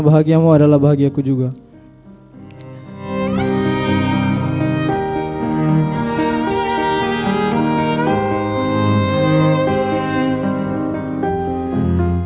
bahagiamu adalah bahagia ku juga hai hai hai hai hai hai hai hai hai hai hai hai hai hai